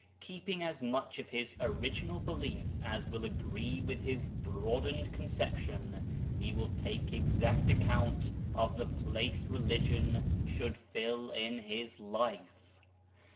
Keeping as much of his original belief as will agree with his broadened conception, he will take exact account of the place religion should fill in his life.